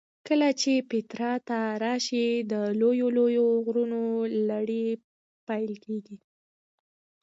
چې کله پیترا ته راشې د لویو لویو غرونو لړۍ پیل کېږي.